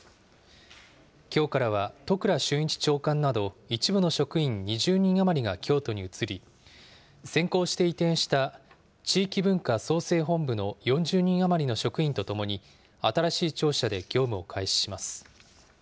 きょうからは、都倉俊一長官など、一部の職員２０人余りが京都に移り、先行して移転した地域文化創生本部の４０人余りの職員と共に、新しい庁舎で業務を開始します。